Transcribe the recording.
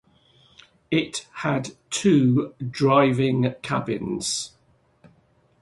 It had two driving cabins.